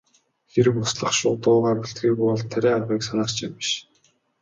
Хэрэв услах шуудуугаа бэлтгээгүй бол тариа авахыг санах ч юм биш.